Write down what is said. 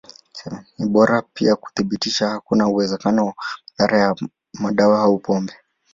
Ni bora pia kuthibitisha hakuna uwezekano wa madhara ya madawa au pombe.